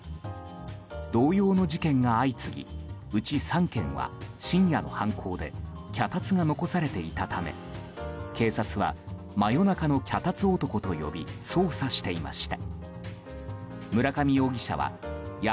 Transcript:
同様の事件が相次ぎうち３件は深夜の犯行で脚立が残されていたため警察は、真夜中の脚立男と呼び捜査していました。